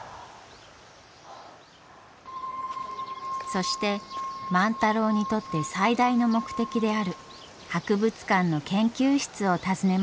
そして万太郎にとって最大の目的である博物館の研究室を訪ねました。